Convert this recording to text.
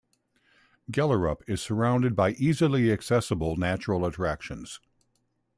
Gellerup is surrounded by easily accessible natural attractions.